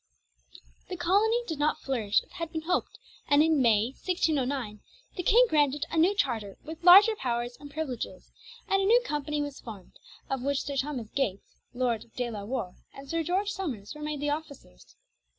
The colony did not flourish as had been hoped, and in May, 1609, the King granted a new charter with larger powers and privileges, and a new company was formed, of which Sir Thomas Gates, Lord De La Warr, and Sir George Somers were made the officers.